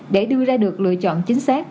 để đưa ra được lựa chọn chính xác